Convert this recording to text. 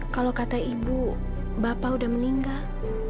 kalau kata ibu bapak udah meninggal